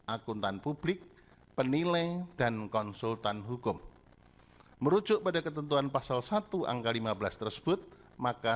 akuntan publik penilai dan konsultan hukum merujuk pada ketentuan pasal satu angka lima belas tersebut maka